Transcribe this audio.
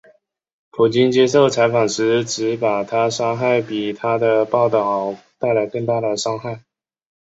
普京接受采访时指把她杀害比她的报导带来更大的伤害。